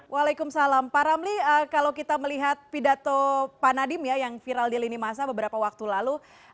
waalaikumsalam pak ramli kalau kita melihat pidato pak nadiem ya yang viral di lini masa beberapa waktu lalu